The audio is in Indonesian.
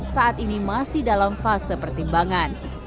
saat ini masih dalam fase pertimbangan